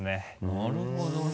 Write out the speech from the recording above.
なるほどね。